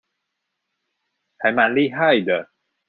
還蠻厲害的